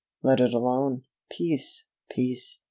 Let it alone. Peace! Peace!